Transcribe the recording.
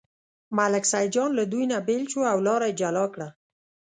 ملک سیدجان له دوی نه بېل شو او لاره یې جلا کړه.